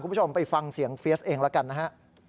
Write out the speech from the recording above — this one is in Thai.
คุณผู้ชมไปฟังเสียงเฟียสเองแล้วกันนะฮะ